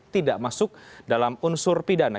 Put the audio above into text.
tidak masuk dalam unsur pidana